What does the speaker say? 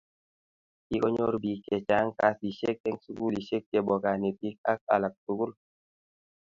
Kikonyor bik che chang kasishek eng sikulishek chebo kanetik ak alak tukul